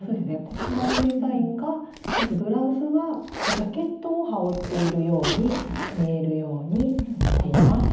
こちらのデザインがまずブラウスはジャケットを羽織っているように見えるようにしています。